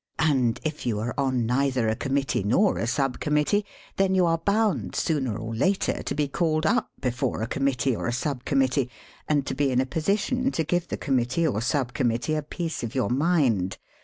And, if you are on neither a Committee nor a Sub Committee, then you are bound sooner or later to be called up before a Committee or a Sub Committee, and to be in a position to give the Committee or Sub Committee a piece of your mind.